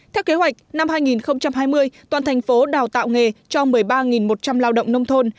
theo kế hoạch năm hai nghìn hai mươi toàn thành phố đào tạo nghề cho một mươi ba một trăm linh lao động nông thôn